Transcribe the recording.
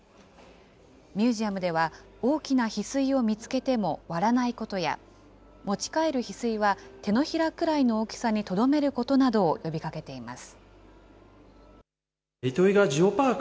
ミュージアムでは大きなヒスイを見つけても割らないことや、持ち帰るヒスイは手のひらくらいの大きさにとどめることなどを呼びかけています。